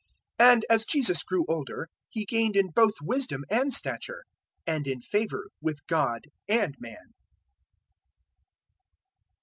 002:052 And as Jesus grew older He gained in both wisdom and stature, and in favour with God and man.